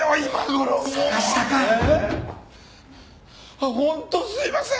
あっ本当すいません！